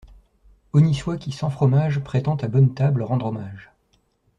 Honni soit qui sans fromage prétend à bonne table rendre hommage.